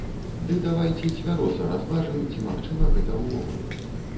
Ды давайце цвяроза разважым, ці магчыма гэта ўвогуле.